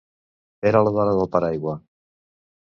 Era la dona del paraigua.